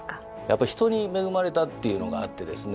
やっぱ人に恵まれたっていうのがあってですね